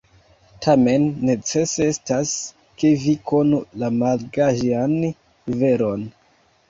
Tamen necese estas, ke vi konu la malgajan veron.